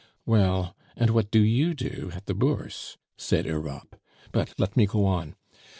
"Well and what do you do at the Bourse?" said Europe. "But let me go on.